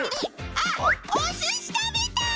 あっおすしたべた！